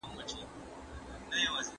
هغه وايي چاکلېټ یو خوندور سپک خواړه دی.